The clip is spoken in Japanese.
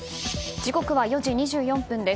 時刻は４時２４分です。